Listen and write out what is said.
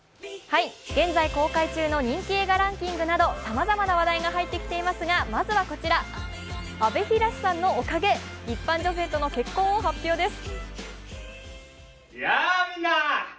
現在公開中の人気映画ランキングなどさまざまな話題が入ってきていますがまずはこちら、阿部寛さんのおかげ、一般女性との結婚を発表です。